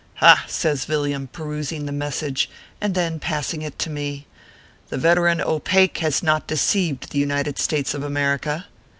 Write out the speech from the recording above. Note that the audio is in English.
" Ha !" says Villiam, perusing the message, and then passing it to me, " the veteran O Pake has not deceived the United States of America."